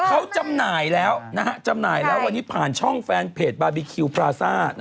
เขาจำหน่ายแล้วจำหน่ายแล้ววันนี้ผ่านช่องแฟนเพจบาร์บีคิวพราซ่า